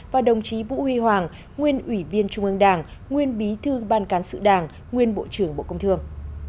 và đồng chí vũ huy hoàng nguyên ủy viên trung ương đảng nguyên bí thư ban cán sự đảng nguyên bộ trưởng bộ công thương